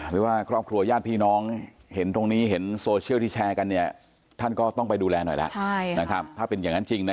หรือว่าครอบครัวย่านพี่น้องเห็นตรงนี้เห็นโซเชียลที่แชร์กันเนี่ย